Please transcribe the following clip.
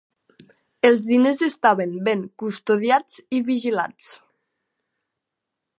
Els diners estaven ben custodiats i vigilats.